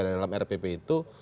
dalam rpp itu